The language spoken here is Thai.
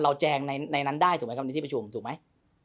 แจงในนั้นได้ถูกไหมครับในที่ประชุมถูกไหม